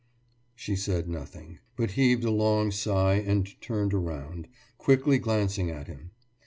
« She said nothing, but heaved a long sigh and turned round, quickly glancing at him.